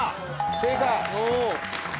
正解！